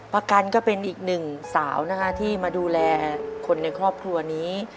ประกันก็เป็นอีกหนึ่งสาวนะคะที่มาดูแลคนในครอบครัวนี้